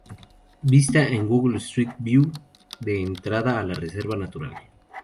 Vista en Google Street View de la entrada a la Reserva natural.